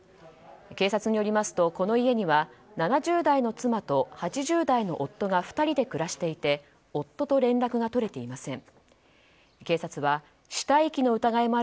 警察によりますと、この家には７０代の妻と８０代の夫が２人で暮らしていて夫と連絡が取れていません。